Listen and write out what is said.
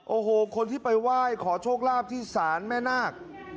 โอ้โหคนที่ไปไหว้ขอโชคลาภที่ศาลแม่นาค